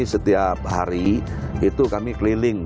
setiap hari itu kami keliling